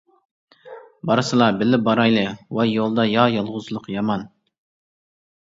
بارسىلا بىللە بارايلى ۋاي يولدا يا يالغۇزلۇق يامان.